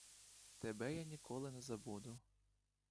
Тебе я ніколи не забуду.